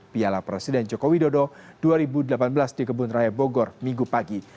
piala presiden joko widodo dua ribu delapan belas di kebun raya bogor minggu pagi